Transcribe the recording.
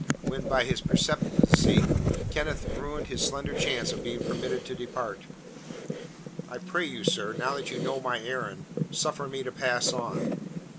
when by his precipitancy Kenneth ruined his slender chance of being permitted to depart. "I pray you, sir, now that you know my errand, suffer me to pass on."